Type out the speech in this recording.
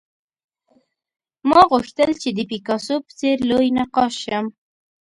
ما غوښتل چې د پیکاسو په څېر لوی نقاش شم